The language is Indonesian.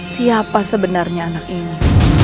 siapa sebenarnya anak ini